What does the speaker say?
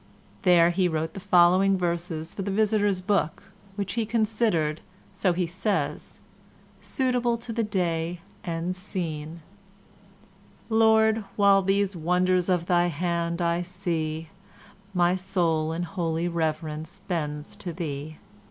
There he wrote the following verses for the visitors' book, which he considered, so he says, "suitable to the day and scene":— Lord, while these wonders of thy hand I see, My soul in holy reverence bends to thee.